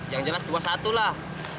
yang jelas dua satulah